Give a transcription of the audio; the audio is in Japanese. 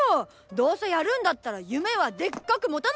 どうせやるんだったら夢はでっかく持たなきゃ！